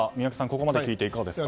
ここまで聞いていかがですか。